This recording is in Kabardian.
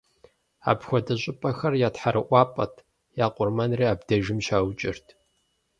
Апхуэдэ щӀыпӀэхэр я тхьэрыӀуапӀэт, я къурмэнри абдежым щаукӀырт.